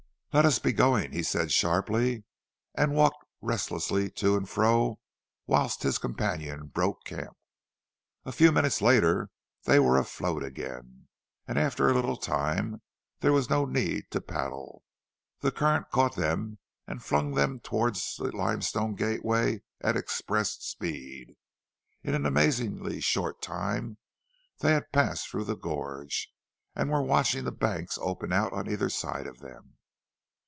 "Let us be going!" he said sharply, and walked restlessly to and fro whilst his companion broke camp. A few minutes later they were afloat again, and after a little time there was no need to paddle. The current caught them and flung them towards the limestone gateway at express speed. In an amazingly short time they had passed through the gorge, and were watching the banks open out on either side of them.